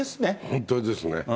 本当ですね。